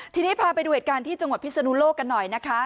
ทีนี้พาไปดูเหตุการณ์ที่จังหวัดพิศนุโลกกันหน่อยนะคะ